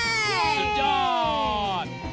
สุดยอด